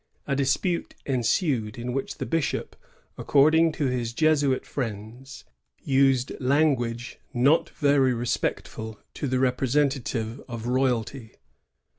A dispute ensued, in which the bishop, according to his Jesuit friends, used language not very respectful to the representative of royalty.